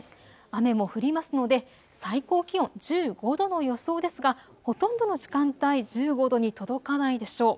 雨も降りますので最高気温１５度の予想ですが、ほとんどの時間帯、１５度に届かないでしょう。